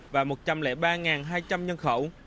và một trăm linh ba hai trăm linh nhân khẩu